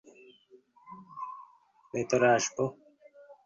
মাঝে মাঝে আজেবাজে স্বপ্ন দেখি, এই অসুবিধা।